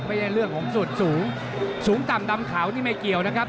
ไม่ได้เรื่องของสุดสูงสูงต่ำดำขาวนี่ไม่เกี่ยวนะครับ